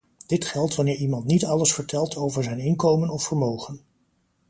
Dit geldt wanneer iemand niet alles vertelt over zijn inkomen of vermogen.